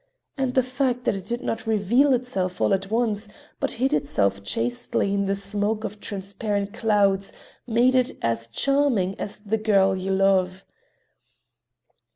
And the fact that it did not reveal itself all at once, but hid itself chastely in the smoke of transparent clouds, made it as charming as the girl you love.